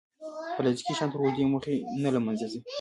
پلاستيکي شیان تر اوږدې مودې نه له منځه ځي.